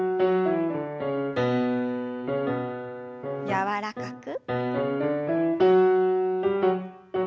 柔らかく。